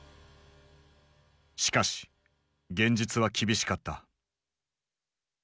しかし現実は厳しかった。